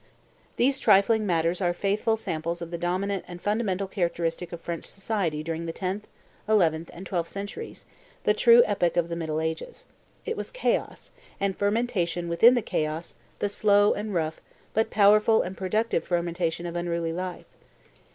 These trifling matters are faithful samples of the dominant and fundamental characteristic of French society during the tenth, eleventh, and twelfth centuries, the true epoch of the middle ages. It was chaos, and fermentation within the chaos the slow and rough but powerful and productive fermentation of unruly life.